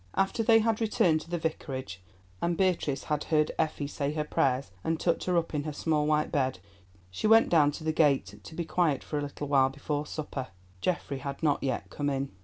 After they had returned to the vicarage and Beatrice had heard Effie her prayers and tucked her up in her small white bed, she went down to the gate to be quiet for a little while before supper. Geoffrey had not yet come in.